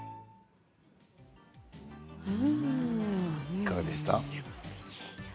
いかがでした？